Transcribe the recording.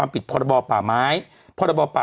กรมป้องกันแล้วก็บรรเทาสาธารณภัยนะคะ